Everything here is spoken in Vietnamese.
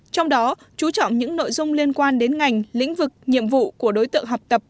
trong đó chú trọng những nội dung liên quan đến ngành lĩnh vực nhiệm vụ của đối tượng học tập